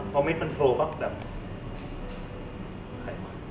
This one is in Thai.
ขอบคุณครับ